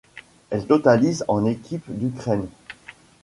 Elle totalise en équipe d'Ukraine.